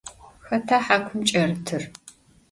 Xeta hakum ç'erıtır?